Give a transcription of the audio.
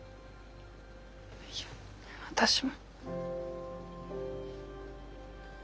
いや私も。